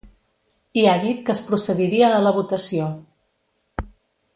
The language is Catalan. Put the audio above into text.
I ha dit que es procediria a la votació.